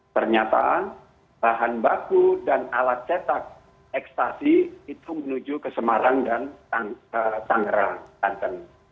ternyata bahan baku dan alat cetak ekstasi itu menuju ke semarang dan tangerang banten